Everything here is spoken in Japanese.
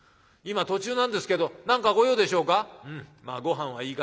今途中なんですけど何か御用でしょうか？」。